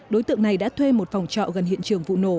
đối tượng này đã thuê một phòng trọ gần hiện trường vụ nổ